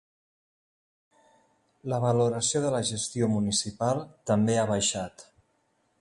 La valoració de la gestió municipal també ha baixat.